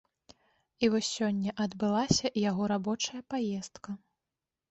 І вось сёння адбылася яго рабочая паездка.